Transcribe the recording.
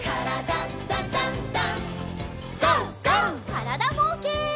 からだぼうけん。